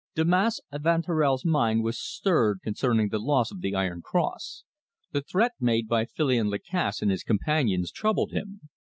Damase Evanturel's mind was stirred concerning the loss of the iron cross; the threat made by Filion Lacasse and his companions troubled him.